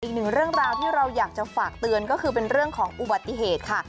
อีกหนึ่งเรื่องราวที่เราอยากจะฝากเตือนก็คือเป็นเรื่องของอุบัติเหตุค่ะ